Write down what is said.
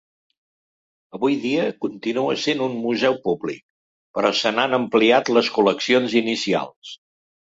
Avui dia, continua sent un museu públic, però se n'han ampliat les col·leccions inicials.